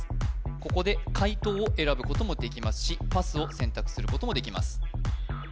ここで解答を選ぶこともできますしパスを選択することもできます